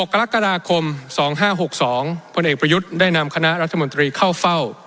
กรกฎาคม๒๕๖๒พลเอกประยุทธ์ได้นำคณะรัฐมนตรีเข้าเฝ้า